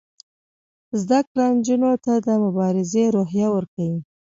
زده کړه نجونو ته د مبارزې روحیه ورکوي.